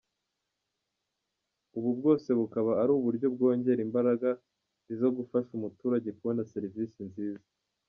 Ubu bwose bukaba ari uburyo bwongera imbaraga i zogufasha umuturajye kubona serivisi nziza.